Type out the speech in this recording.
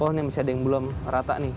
oh ini masih ada yang belum rata nih